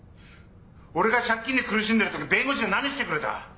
俺が借金で苦しんでるとき弁護士が何してくれた？